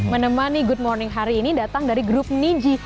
menemani good morning hari ini datang dari grup niji